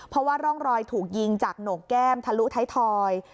เพราะว่าร่องรอยถูกยิงจากโหนกแก้มทะลุท้ายทอย